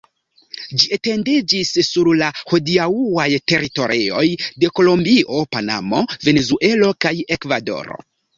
Ĝi etendiĝis sur la hodiaŭaj teritorioj de Kolombio, Panamo, Venezuelo kaj Ekvadoro.